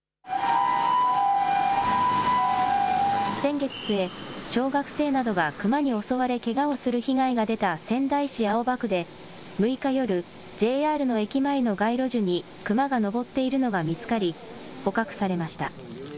先月末、小学生などがクマに襲われ、けがをする被害が出た仙台市青葉区で、６日夜、ＪＲの駅前の街路樹に、クマが登っているのが見つかり、捕獲されました。